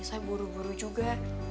saya buru buru juga